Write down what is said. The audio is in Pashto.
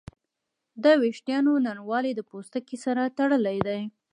د وېښتیانو نرموالی د پوستکي سره تړلی دی.